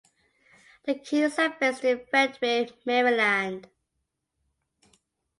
The Keys are based in Frederick, Maryland.